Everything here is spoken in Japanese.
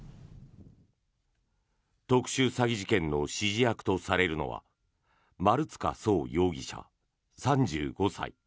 特殊詐欺事件の指示役とされるのは丸塚創容疑者、３５歳。